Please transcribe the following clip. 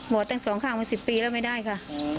บอดตั้งสองข้างมาสิบปีแล้วไม่ได้ค่ะ